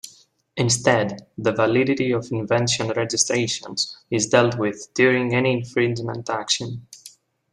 Instead, the validity of invention registrations is dealt with during any infringement action.